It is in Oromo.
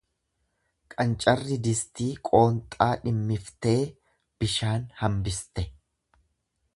Qancarri distii qoonxaa dhimmistee bishaan hambiste.